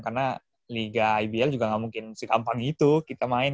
karena liga ibl juga gak mungkin sekampang gitu kita main